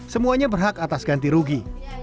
semuanya berhak atas ganti rugi